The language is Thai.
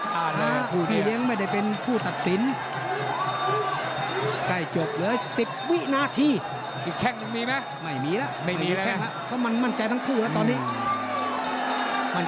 ถ้าไม่เสมอผู้ชนะจะมีเพียงคนเดียว